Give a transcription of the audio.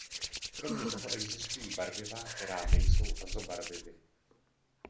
Kromě toho existují barviva, která nejsou azobarvivy.